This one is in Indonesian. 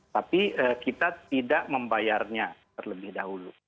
tapi kita tidak membayarnya terlebih dahulu